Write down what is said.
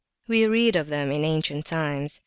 We read of them in ancient times.